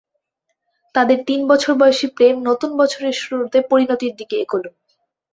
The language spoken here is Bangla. তাঁদের তিন বছর বয়সী প্রেম নতুন বছরের শুরুতে পরিণতির দিকে এগোল।